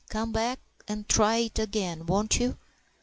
Come back and try it again, won't you?"